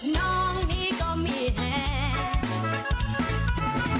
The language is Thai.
น้องนี้ก็มีแฮปปี้ดิ